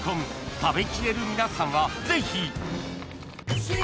食べきれる皆さんはぜひ！